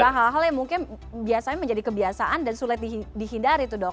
iya itu kan juga hal hal yang mungkin biasanya menjadi kebiasaan dan sulit dihindari tuh dok